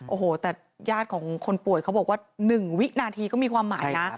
โอ้โหแต่ญาติของคนป่วยเขาบอกว่า๑วินาทีก็มีความหมายนะ